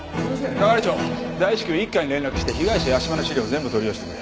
係長大至急一課に連絡して被害者屋島の資料を全部取り寄せてくれ。